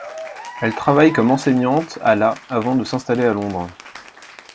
Elle travaille comme enseignante à la avant de s'installer à Londres.